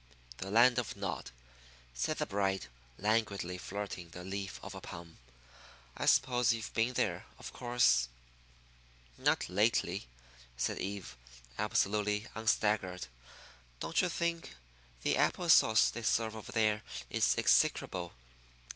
"The Land of Nod," said the bride, languidly flirting the leaf of a palm. "I suppose you've been there, of course?" "Not lately," said Eve, absolutely unstaggered. "Don't you think the apple sauce they serve over there is execrable?